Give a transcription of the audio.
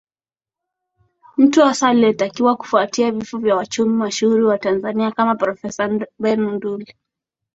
mtu hasa aliyetakiwaKufuatia vifo vya wachumi mashuhuri wa Tanzania kama Profesa Benno Ndullu